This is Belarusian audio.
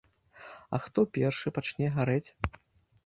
А хто першы пачне гарэць?